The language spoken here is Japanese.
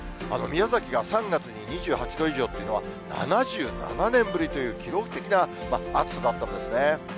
宮崎が３月に２８度以上というのは、７７年ぶりという記録的な暑さだったんですね。